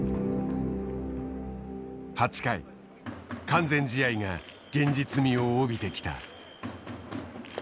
完全試合が現実味を帯びてきた。